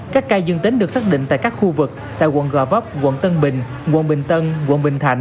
các ca dương tính được xác định tại các khu vực tại quận gò vấp quận tân bình quận bình tân quận bình thạnh